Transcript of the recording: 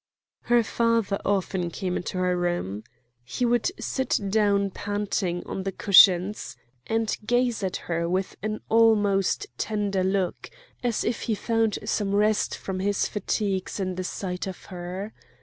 Her father often came into her room. He would sit down panting on the cushions, and gaze at her with an almost tender look, as if he found some rest from her fatigues in the sight of her.